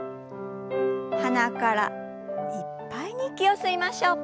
鼻からいっぱいに息を吸いましょう。